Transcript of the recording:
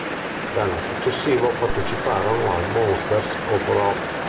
L'anno successivo parteciparono al Monsters of Rock.